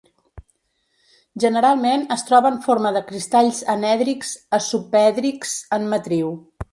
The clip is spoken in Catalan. Generalment es troba en forma de cristalls anèdrics a subèdrics en matriu.